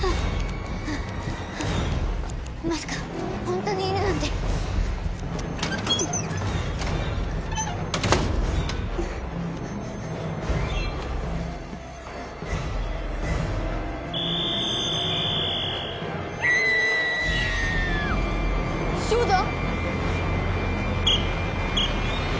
まさかホントにいるなんてショウタ！？